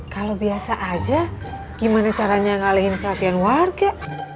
kalau biasa aja gimana caranya ngalihin perhatian warga